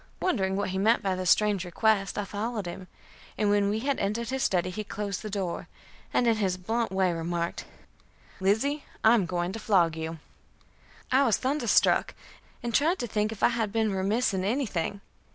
Wondering what he meant by his strange request, I followed him, and when we had entered the study he closed the door, and in his blunt way remarked: "Lizzie, I am going to flog you." I was thunderstruck, and tried to think if I had been remiss in anything.